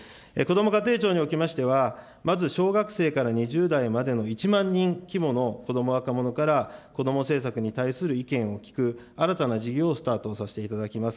こども家庭庁におきましては、まず小学生から２０代までの１万人規模の子ども・若者からこども政策に対する意見を聞く新たな事業をスタートさせていただきます。